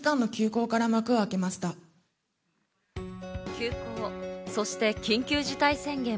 休校そして緊急事態宣言。